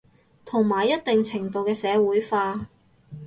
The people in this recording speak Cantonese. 同埋一定程度嘅社會化